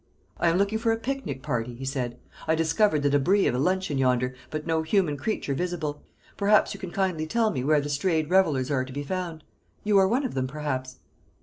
"I am looking for a picnic party," he said. "I discovered the débris of a luncheon yonder, but no human creature visible. Perhaps you can kindly tell me where the strayed revellers are to be found; you are one of them, perhaps?"